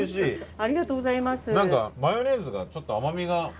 ありがとうございます。